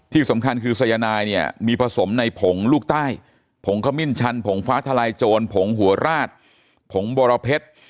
ที่สำคัญคือสายนายเนี่ยมีผสมในผงลูกใต้ผงขมิ้นชันผงฟ้าทลายโจรผงหัวราดผงบรเพชร